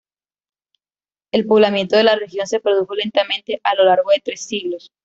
El Poblamiento de la región se produjo lentamente, a lo largo de tres siglos.